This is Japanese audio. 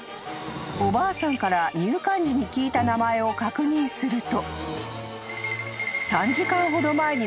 ［おばあさんから入館時に聞いた名前を確認すると］